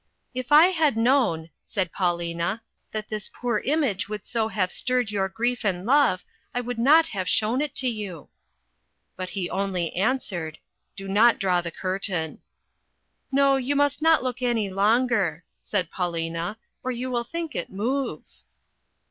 "If I had known," said Paulina, "that this poor image would so have stirred your grief and love, I would not have shown it to you." But he only answered, "Do not draw the curtain." "No, you must not look any longer," said Paulina, "or you will think it moves."